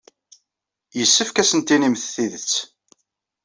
Yessefk ad asen-tinimt tidet.